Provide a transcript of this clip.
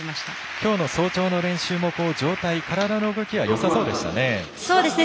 きょうの早朝の練習も状態、体の動きはよさそうでしたね。